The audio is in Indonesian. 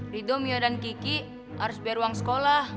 ridho mia dan kiki harus biar uang sekolah